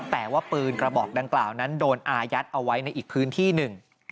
แต่ว่าปืนกระบอกดังกล่าวนั้นโดนอายัดเอาไว้ในอีกพื้นที่หนึ่ง